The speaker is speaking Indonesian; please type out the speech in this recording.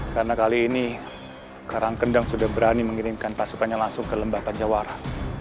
karena kali ini karangkendang sudah berani mengirimkan pasukannya langsung ke lembah pancawara